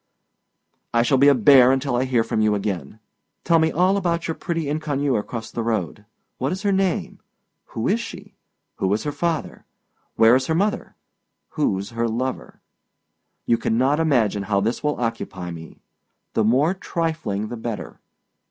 I shall be a bear until I hear from you again. Tell me all about your pretty inconnue across the road. What is her name? Who is she? Whoâs her father? Whereâs her mother? Whoâs her lover? You cannot imagine how this will occupy me. The more trifling, the better.